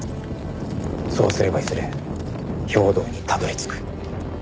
そうすればいずれ兵頭にたどり着く。